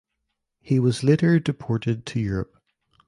He was later deported to Europe.